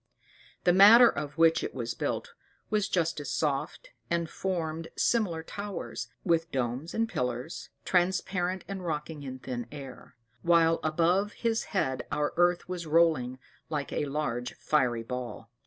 The matter of which it was built was just as soft, and formed similar towers, and domes, and pillars, transparent and rocking in the thin air; while above his head our earth was rolling like a large fiery ball.